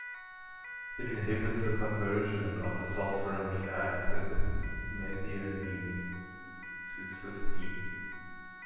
It inhibits the conversion of the sulfur amino acid methionine to cysteine.